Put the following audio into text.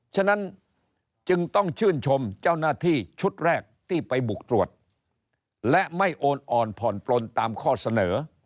ฉะนั้นจึงต้องชื่นชมเจ้าหน้าที่ชุดแรกที่ไปบุกตรวจและไม่โอนอ่อนผ่อนปลนตามข้อเสนอ